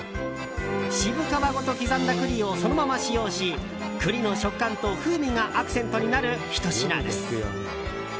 渋皮ごと刻んだ栗をそのまま使用し栗の食感と風味がアクセントになるひと品です。